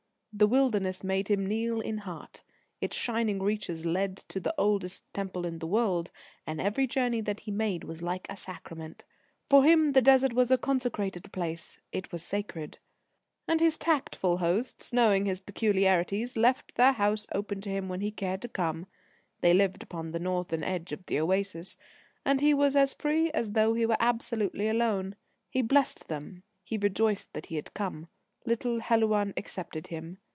The wilderness made him kneel in heart. Its shining reaches led to the oldest Temple in the world, and every journey that he made was like a sacrament. For him the Desert was a consecrated place. It was sacred. And his tactful hosts, knowing his peculiarities, left their house open to him when he cared to come they lived upon the northern edge of the oasis and he was as free as though he were absolutely alone. He blessed them; he rejoiced that he had come. Little Helouan accepted him.